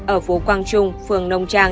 ở phố quang trung phường nông trang